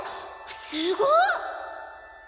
すごっ！